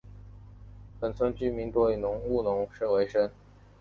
本村居民多以务农为生。